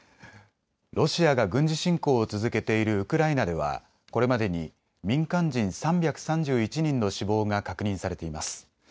ロシアが軍事侵攻を続けているウクライナではこれまでに民間人３３１人の死亡が確認されています。